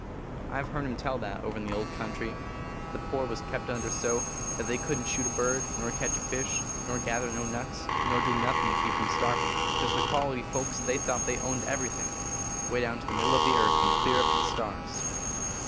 I ve hearn em tell that, over in the old country, the poor was kept under so, that they couldn t shoot a bird, nor ketch a fish, nor gather no nuts, nor do nothin to keep from starvin , cause the quality folks they thought they owned every thing, way down to the middle of the earth and clear up to the stars.